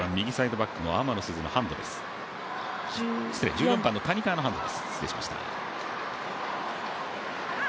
１４番の谷川のハンドです。